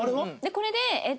これでえっと。